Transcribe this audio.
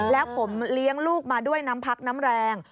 แล้วผมเลี้ยงลูกมาด้วยน้ำพักน้ำแรง